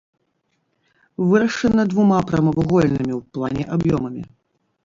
Вырашана двума прамавугольнымі ў плане аб'ёмамі.